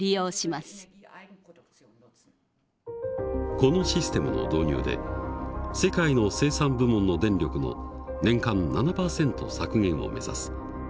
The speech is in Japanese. このシステムの導入で世界の生産部門の電力の年間７％削減を目指す。